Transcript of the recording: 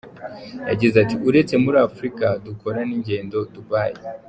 Yagize ati “Uretse muri Aufrika, dukora n’ingendo Dubai.